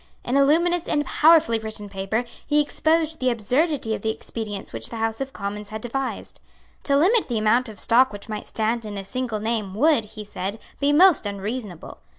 In a luminous and powerfully written paper he exposed the absurdity of the expedients which the House of Commons had devised. To limit the amount of stock which might stand in a single name would, he said, be most unreasonable.